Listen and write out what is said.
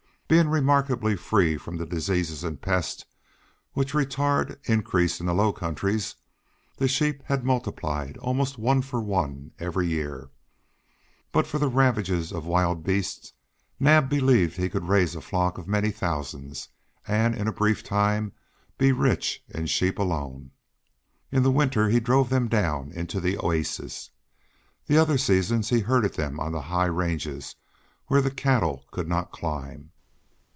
Being remarkably free from the diseases and pests which retard increase in low countries, the sheep had multiplied almost one for one for every year. But for the ravages of wild beasts Naab believed he could raise a flock of many thousands and in a brief time be rich in sheep alone. In the winter he drove them down into the oasis; the other seasons he herded them on the high ranges where the cattle could not climb.